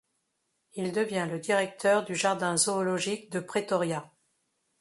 Il devient le directeur du Jardin zoologique de Pretoria.